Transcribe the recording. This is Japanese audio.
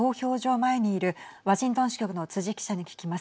前にいるワシントン支局の辻記者に聞きます。